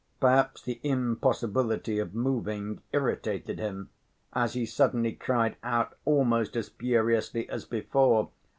Perhaps the impossibility of moving irritated him, as he suddenly cried out almost as furiously as before.